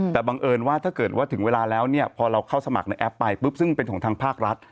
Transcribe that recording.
แต่บังเอิญว่าถ้าเกิดว่าถึงเวลาแล้วเนี่ยพอเราเข้าสมัครในแอปไปปุ๊บซึ่งเป็นของทางภาครัฐ